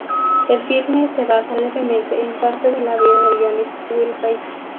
El filme se basa levemente en parte de la vida del guionista Will Reiser.